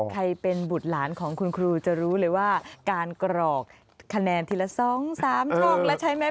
ใครเป็นบุตรหลานของคุณครูจะรู้เลยว่าการกรอกคะแนนทีละ๒๓ช่องแล้วใช่ไหม